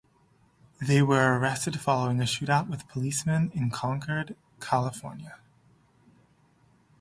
They were arrested following a shootout with policemen in Concord, California.